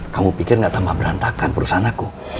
kamu pikir gak tambah berantakan perusahaan aku